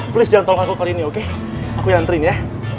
please jangan tolok aku kali ini oke aku yang anterin ya